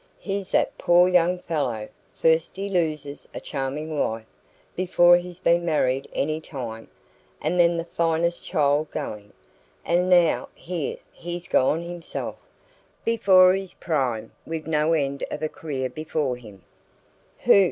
Here's that poor young fellow first he loses a charming wife, before he's been married any time, and then the finest child going, and now here he's gone himself, before his prime, with no end of a career before him " "Who?"